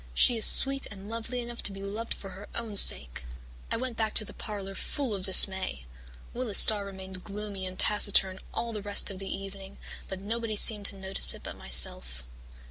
She is sweet and lovely enough to be loved for her own sake.' "I went back to the parlour full of dismay. Willis Starr remained gloomy and taciturn all the rest of the evening, but nobody seemed to notice it but myself.